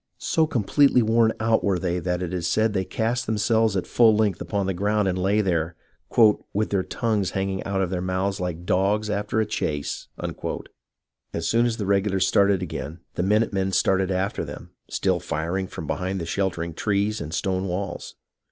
So completely worn out were they that it is said they cast themselves at full length upon the ground and lay there " with their tongues hanging out of their mouths like dogs after a chase." As soon as the regulars started again, the minute men started after them, still firing from behind the sheltering trees and stone walls.